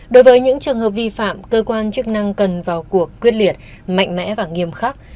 đối với những trường hợp vi phạm cơ quan chức năng cần vào cuộc quyết liệt mạnh mẽ và nghiêm khắc